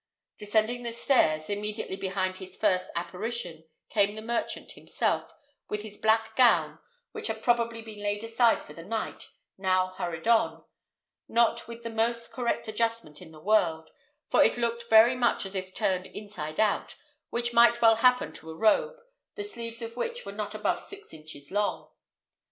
Descending the stairs, immediately behind this first apparition, came the merchant himself, with his black gown, which had probably been laid aside for the night, now hurried on, not with the most correct adjustment in the world, for it looked very much as if turned inside out, which might well happen to a robe, the sleeves of which were not above six inches long.